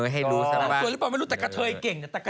ให้รู้ซะเปล่า